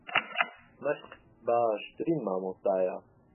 مەشق باشترین مامۆستایە.